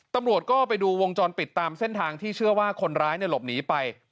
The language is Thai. ตำรวจก็ไปดูวงจรปิดตามเส้นทางที่เชื่อว่าคนร้ายหลบหนีไป